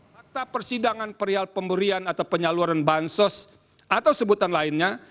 fakta persidangan perial pemberian atau penyaluran bansos atau sebutan lainnya